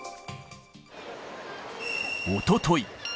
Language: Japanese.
おととい。